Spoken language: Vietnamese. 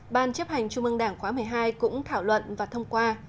ban chấp hành trung ương đảng khóa một mươi hai cũng thảo luận và thông qua